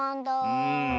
うん。